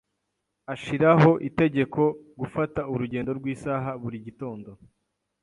Ashiraho itegeko gufata urugendo rw'isaha buri gitondo.